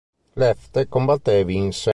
Iefte combatté e vinse.